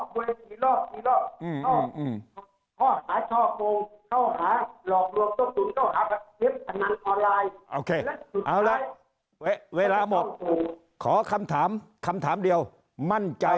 ผมว่าไม่ได้ถึงต้นต่อผมว่าได้กดเง่าเลยนะครับ